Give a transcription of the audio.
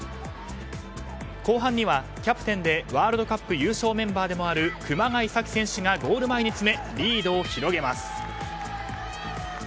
後半にはキャプテンでワールドカップ優勝メンバーでもある熊谷紗希選手がゴール前に詰めリードを広げます。